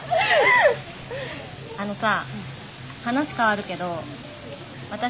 あのさ話変わるけど私